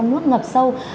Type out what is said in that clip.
nuốt ngập sâu